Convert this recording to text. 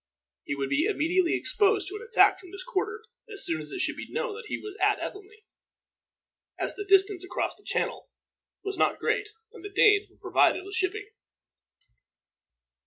He would be immediately exposed to an attack from this quarter as soon as it should be known that he was at Ethelney, as the distance across the Channel was not great, and the Danes were provided with shipping.